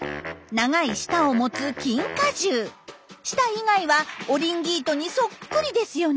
長い舌を持つ舌以外はオリンギートにそっくりですよね。